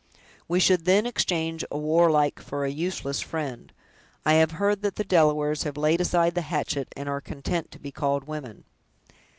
"We should then exchange a warlike for a useless friend! I have heard that the Delawares have laid aside the hatchet, and are content to be called women!"